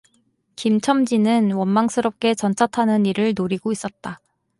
김첨지는 원망스럽게 전차 타는 이를 노리고 있었다.